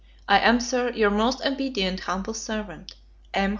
I am, Sir, Your most obedient humble servant, M.